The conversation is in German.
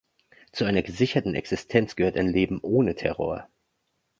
Zu einer gesicherten Existenz gehört ein Leben ohne Terror.